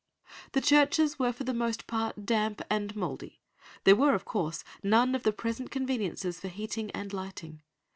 The churches were for the most part damp and mouldy; there were, of course, none of the present conveniences for heating and lighting.